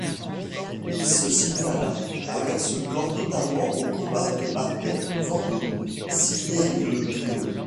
Il se signala avec ce corps, notamment, aux combats de Patay, Vendôme, Sillé-le-Guillaume.